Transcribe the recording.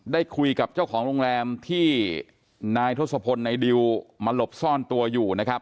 ได้คุยกับเจ้าของโรงแรมที่นายทศพลในดิวมาหลบซ่อนตัวอยู่นะครับ